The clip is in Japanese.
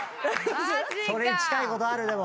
それに近いことあるでも。